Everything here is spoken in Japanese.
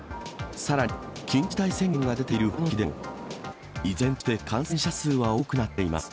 さらに、緊急事態宣言が出ているほかの地域でも、依然として感染者数は多くなっています。